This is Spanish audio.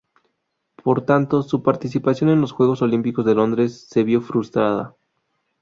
Por tanto, su participación en los Juegos Olímpicos de Londres se vio frustrada.